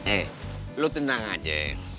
eh lo tenang aja